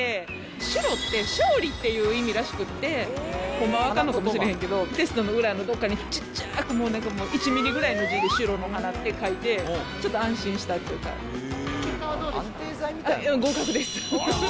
シュロって、勝利っていう意味らしくって、ほんまはあかんのかもしれへんけど、テストの裏のどっかに、ちっちゃーく、１ミリぐらいの字でシュロの花って書いて、ちょっと安心したって結果はどうでした？